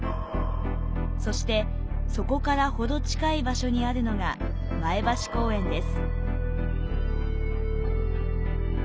そしてそこからほど近い場所にあるのが前橋公園です。